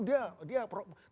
dia dia tapi bagus